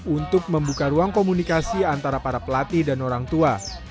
untuk membuka ruang komunikasi antara para pelatih dan orang tua